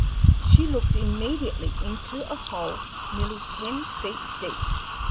She looked immediately into a hole nearly ten feet deep.